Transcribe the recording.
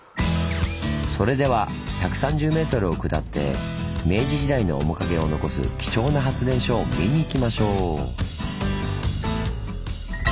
それでは１３０ｍを下って明治時代の面影を残す貴重な発電所を見に行きましょう！